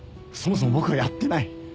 そもそも僕はやってない！